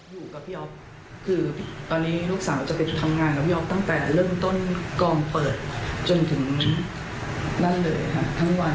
อยู่กับพี่อ๊อฟคือตอนนี้ลูกสาวจะไปทำงานกับพี่อ๊อฟตั้งแต่เริ่มต้นกองเปิดจนถึงนั่นเลยค่ะทั้งวัน